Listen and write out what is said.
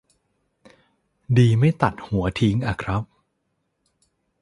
ดีไม่ตัดหัวทิ้งอะครับ